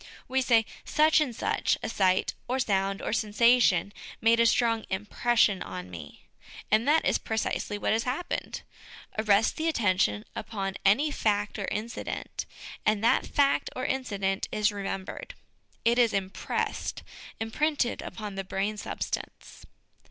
We say, " Such and such a sight or sound, or sensation, made a strong impression on me." And that is precisely what has happened: arrest the attention upon any fact or incident, and that fact or incident is remembered ; it is impressed, imprinted upon the brain substance.